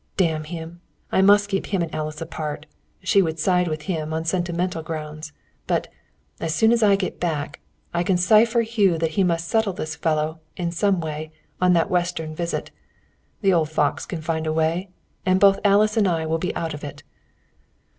"Damn him! I must keep him and Alice apart. She would side with him, on sentimental grounds. But, as soon as I get back, I can cipher Hugh that he must settle this fellow, in some way, on that Western visit. The old fox can find a way, and both Alice and I will be out of it."